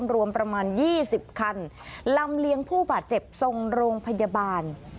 รวมประมาณ๒๐คันลำเลียงผู้บาดเจ็บทรงโรงพยาบาล